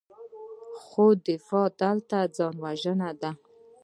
خو دفاع دلته ځان وژنه ده.